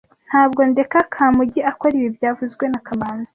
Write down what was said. Ntabwo ndeka Kamugi akora ibi byavuzwe na kamanzi